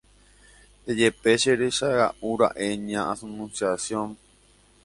Nde jepe cherechaga'ura'e ña Anunciación